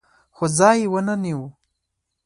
خو ځای یې ونه نیو